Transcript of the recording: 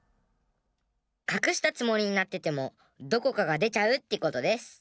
かくしたつもりになっててもどこかがでちゃうってことデス。